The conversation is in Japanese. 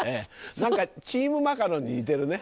何かチームマカロンに似てるね。